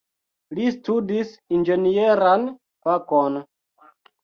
Li studis inĝenieran fakon.